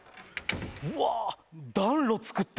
うわっ！